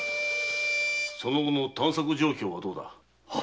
その後の探索状況はどうだ？